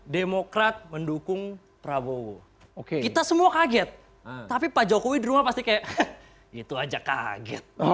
demokrat mendukung prabowo oke kita semua kaget tapi pak jokowi di rumah pasti kayak gitu aja kaget